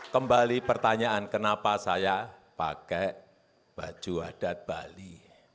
kembali pertanyaan kenapa saya pakai baju adat bali